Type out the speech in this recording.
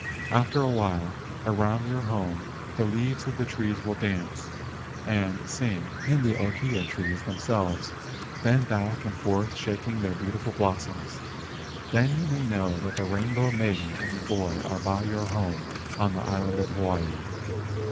After a while, around your home the leaves of the trees will dance and sing and the ohia trees themselves bend back and forth shak¬ ing their beautiful blossoms. Then you may know that the Rainbow Maiden and the boy are by your home on the island of Hawaii.